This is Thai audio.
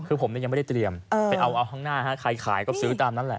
คือผมยังไม่ได้เตรียมไปเอาข้างหน้าใครขายก็ซื้อตามนั้นแหละ